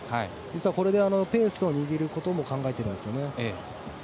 これでペースを握ることも考えてるんですよね。